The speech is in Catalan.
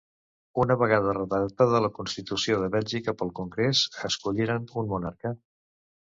Una vegada redactada la Constitució de Bèlgica pel congrés, escolliren un monarca.